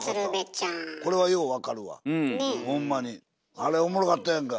あれおもろかったやんか